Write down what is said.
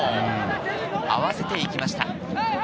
合わせていきました。